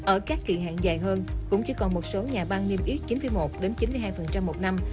ở các kỳ hạn dài hơn cũng chỉ còn một số nhà băng niêm yết chín một chín mươi hai một năm